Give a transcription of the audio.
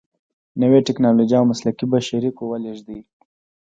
نوې ټیکنالوجې او مسلکي بشري قوه لیږدوي.